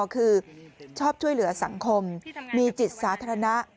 คือชอบช่วยเหลือสังคมมีจิตสาธารณะ